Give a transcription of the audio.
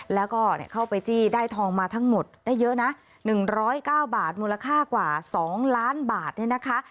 แล้วก็เข้าไปจี้ได้ทองมาทั้งหมดได้เยอะนะ๑๐๙บาทมูลค่ากว่า๒ล้านบาทเนี่ยนะคะ